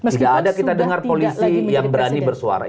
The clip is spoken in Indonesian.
tidak ada kita dengar polisi yang berani bersuara